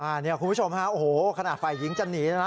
อานี่คุณผู้ชมโอ้โหขณะฝ่ายหญิงจะหนีนะ